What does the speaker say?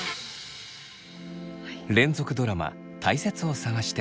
連続ドラマ「たいせつを探して」